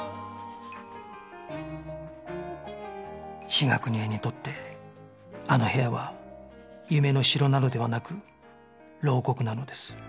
志賀邦枝にとってあの部屋は夢の城などではなく牢獄なのです